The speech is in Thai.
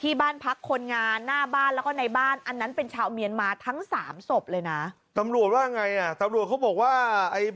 ที่บ้านพักคนงานหน้าบ้านแล้วก็ในบ้านอันนั้นเป็นชาวมีนมาทั้งสามศพเลยนะ